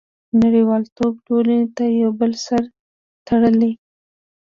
• نړیوالتوب ټولنې له یو بل سره تړلي.